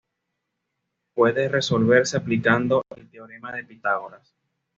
Puede resolverse aplicando el teorema de Pitágoras.